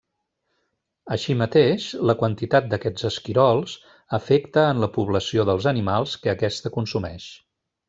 Així mateix, la quantitat d'aquests esquirols afecta en la població dels animals que aquesta consumeix.